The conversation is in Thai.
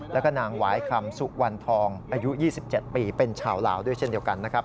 แล้วก็นางหวายคำสุวรรณทองอายุ๒๗ปีเป็นชาวลาวด้วยเช่นเดียวกันนะครับ